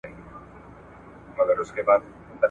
هغه کوهی دی جهاني هغه د وروڼو جفا ,